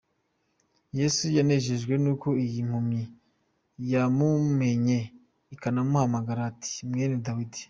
Yesu yanejejwe n’uko iyi mpumyi yamumenye, ikanamuhamagara ati "Mwene Dawidi".